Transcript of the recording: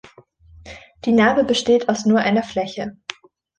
Die Narbe besteht aus nur einer Fläche.